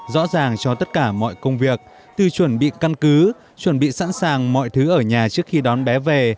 rõ ràng cho tất cả mọi công việc từ chuẩn bị căn cứ chuẩn bị sẵn sàng mọi thứ ở nhà trước khi đón bé về